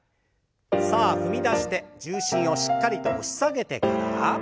さあ踏み出して重心をしっかりと押し下げてから。